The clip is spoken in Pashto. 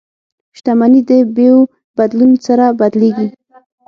شتمني د بیو بدلون سره بدلیږي.